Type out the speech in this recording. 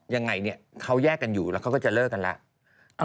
ยังไงเนี่ยเขาแยกกันอยู่แล้วเขาก็จะเลิกกันแล้ว